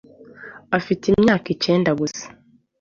afite imyaka icyenda gusa